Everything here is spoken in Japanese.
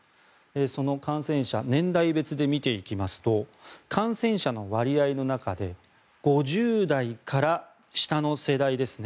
その感染者年代別で見ていきますと感染者の割合の中で５０代から下の世代ですね